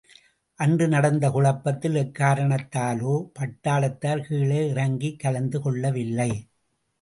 அன்று நடந்த குழப்பத்தில் எக்காரணத்தாலோ பட்டாளத்தார் கீழே இறங்கிக் கலந்து கொள்ளவில்லை.